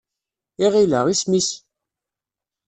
Iɣil-a, isem-is?